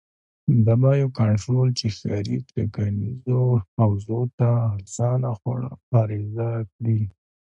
د بیو کنټرول چې ښاري ټاکنیزو حوزو ته ارزانه خواړه عرضه کړي.